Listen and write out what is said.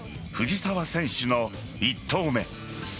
藤澤選手の１投目。